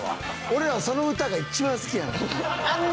俺らは、その歌が一番好きやねん。